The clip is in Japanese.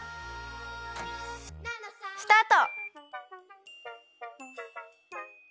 スタート！